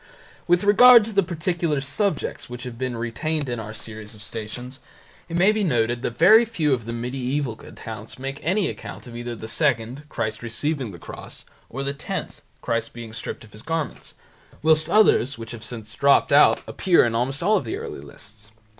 With regard to the particular subjects which have been retained in our series of Stations, it may be noted that very few of the medieval accounts make any mention of either the second (Christ receiving the cross) or the tenth (Christ being stripped of His garments), whilst others which have since dropped out appear in almost all the early lists.